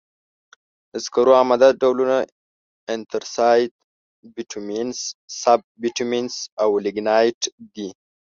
د سکرو عمده ډولونه انترسایت، بټومینس، سب بټومینس او لېګنایټ دي.